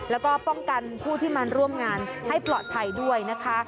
แล้วก็ป้องกันผู้ที่มาร่วมงานให้ปลอดภัยด้วยนะคะ